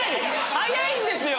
早いんですよ！